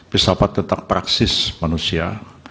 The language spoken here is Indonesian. filsafat tentang praksis manusia